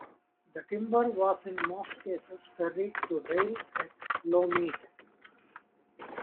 The timber was in most cases ferried to rail at Lowmead.